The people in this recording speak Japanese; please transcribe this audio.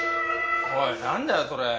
おいなんだよそれ？